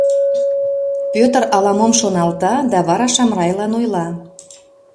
Пӧтыр ала-мом шоналта да вара Шамрайлан ойла: